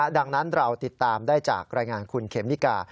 ดังนั้นเราติดตามได้จากรายงานคุณเขมมิกา